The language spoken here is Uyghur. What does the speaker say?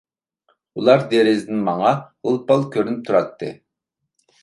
ئۇلار دېرىزىدىن ماڭا غىل-پال كۆرۈنۈپ تۇراتتى.